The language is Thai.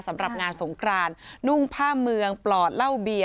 สำหรับงานสงครานนุ่งผ้าเมืองปลอดเหล้าเบียร์